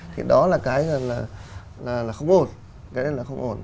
thì đó là cái không ổn